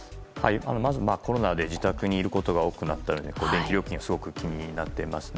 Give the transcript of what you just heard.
まず、コロナで自宅にいることが多くなったので電気料金がすごく気になっていますね。